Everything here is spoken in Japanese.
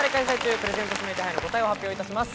プレゼント指名手配の答えを発表いたします。